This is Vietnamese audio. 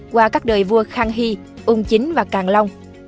qua các đời vua khang hy ung chính và càng long